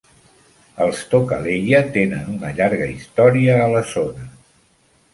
Els tokaleya tenen una llarga història a la zona.